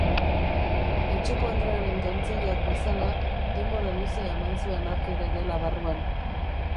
Etxekoandrearen dontzeilak bezala, denbora luzea eman zuen hark ere gela barruan.